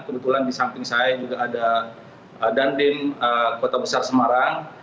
kebetulan di samping saya juga ada dandim kota besar semarang